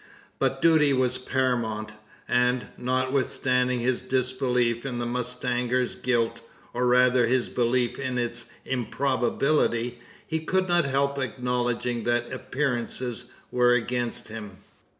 But duty was paramount; and, notwithstanding his disbelief in the mustanger's guilt, or rather his belief in its improbability, he could not help acknowledging that appearances were against him.